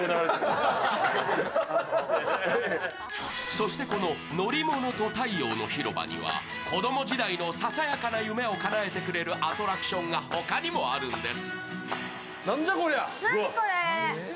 そしてこの、のりものと太陽の広場には子供時代のささやかな夢をかなえてくれるアトラクションがほかにもあるんです。